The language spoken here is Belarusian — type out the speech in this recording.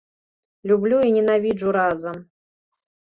Люблю і ненавіджу разам.